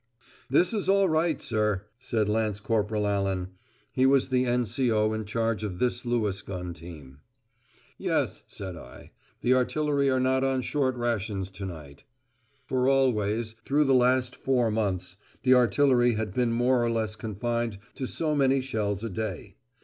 "This is all right, sir," said Lance Corporal Allan. He was the N.C.O. in charge of this Lewis gun team. "Yes," said I. "The artillery are not on short rations to night." For always, through the last four months, the artillery had been more or less confined to so many shells a day.